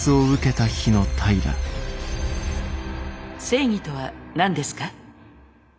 正義とは何ですか？